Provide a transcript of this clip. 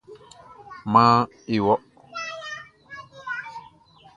Maan e wɔ.